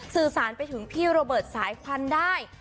สื่อสารไปถึงพี่โรเบิร์ตสายควันได้